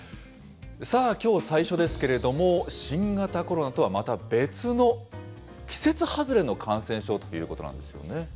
さあ、きょう最初ですけれども、新型コロナとはまた別の季節外れの感染症ということなんですよね。